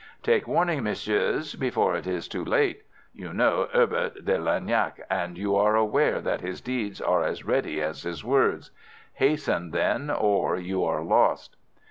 Take warning, messieurs, before it is too late! You know Herbert de Lernac, and you are aware that his deeds are as ready as his words. Hasten then, or you are lost!